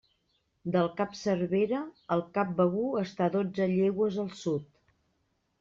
Del cap Cervera, el cap Begur està dotze llegües al sud.